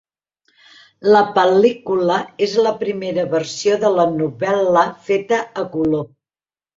La pel·lícula és la primera versió de la novel·la feta a color.